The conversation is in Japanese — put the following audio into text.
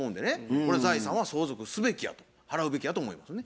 これ財産は相続すべきやと払うべきやと思いますね。